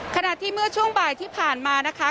ขณะที่เมื่อช่วงบ่ายที่ผ่านมานะคะ